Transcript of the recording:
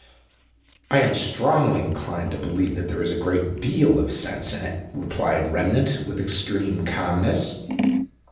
"I am strongly inclined to believe that there is a great deal of sense in it," replied Remnant, with extreme calmness.